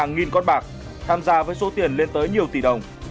hàng nghìn con bạc tham gia với số tiền lên tới nhiều tỷ đồng